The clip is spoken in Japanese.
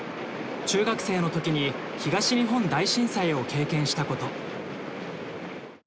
中学生の時に東日本大震災を経験したこと。